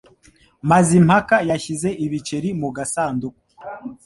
Mazimpaka yashyize ibiceri mu gasanduku.